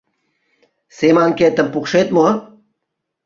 Семанкетым пукшет мо?